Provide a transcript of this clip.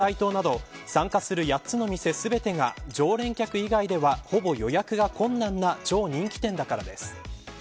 会員制の鮨さいとうなど参加する８つの店、全てが常連客以外ではほぼ予約が困難な超人気店だからです。